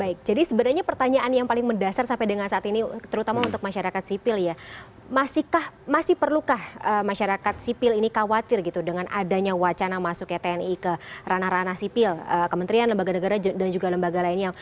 baik jadi sebenarnya pertanyaan yang paling mendasar sampai dengan saat ini terutama untuk masyarakat sipil ya masih perlukah masyarakat sipil ini khawatir gitu dengan adanya wacana masuknya tni ke ranah ranah sipil kementerian lembaga negara dan juga lembaga lainnya